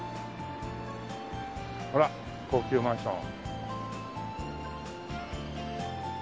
ほら高級マンション。